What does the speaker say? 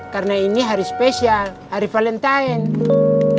karena ini hari spesial hari valentine